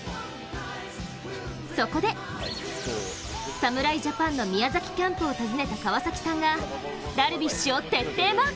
そこで、侍ジャパンの宮崎キャンプを訪ねた川崎さんがダルビッシュを徹底マーク。